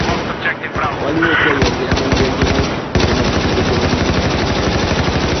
Waliwo okweyongera mu bubenje bw'oku nguudo mu bitundu by'omu bibuga.